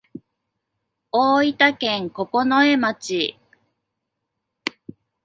大分県九重町